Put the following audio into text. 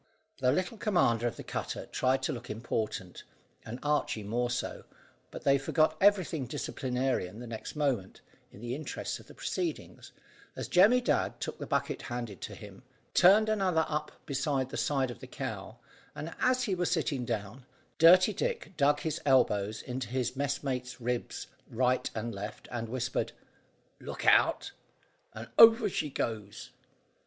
The little commander of the cutter tried to look important, and Archy more so, but they forgot everything disciplinarian the next moment, in the interest of the proceedings, as Jemmy Dadd took the bucket handed to him, turned another up beside the side of the cow, and as he was sitting down, Dirty Dick dug his elbows into his messmates' ribs right and left, whispered "Look out! And over he goes."